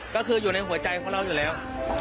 ก็คืออยู่ในหัวใจของเราอยู่แล้ว